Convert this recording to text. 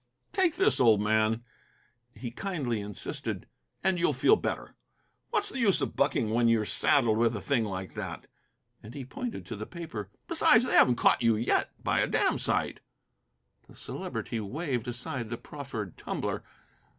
"Take this, old man," he kindly insisted, "and you'll feel better. What's the use of bucking when you're saddled with a thing like that?" And he pointed to the paper. "Besides, they haven't caught you yet, by a damned sight." The Celebrity waved aside the proffered tumbler.